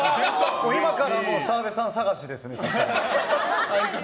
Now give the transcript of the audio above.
今から澤部さん探しですね。